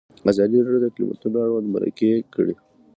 ازادي راډیو د اقلیتونه اړوند مرکې کړي.